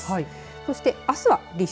そしてあすは立春。